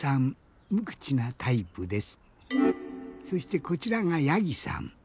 そしてこちらがやぎさん。